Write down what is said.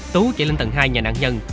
tú chạy lên tầng hai nhà nạn nhân